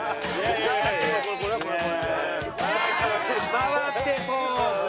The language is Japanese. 回ってポーズ。